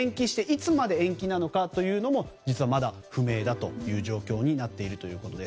いつまで延期なのかというのも実はまだ不明だという状況になっていると。